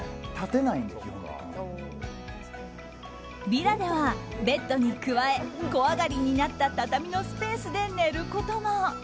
ヴィラではベッドに加え小上がりになった畳のスペースで寝ることも。